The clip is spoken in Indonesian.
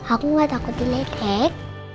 aku nggak takut diledek